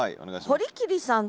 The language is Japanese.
堀切さん。